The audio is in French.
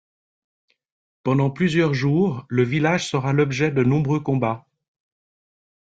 Pendant plusieurs jours, le village sera l'objet de nombreux combats.